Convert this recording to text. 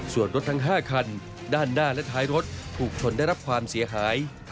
ส่วนรถทั้ง๕คันด้านหน้าและท้ายรถถูกชนได้รับความเสียหาย